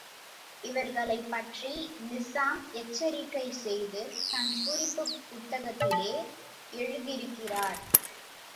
இவர்களைப்பற்றி நிசாம் எச்சரிக்கை செய்து தன் குறிப்புப் புத்தகத்திலே எழுதியிருக்கிறார்.